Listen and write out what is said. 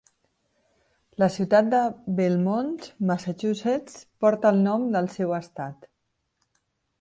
La ciutat de Belmont, Massachusetts, porta el nom del seu estat.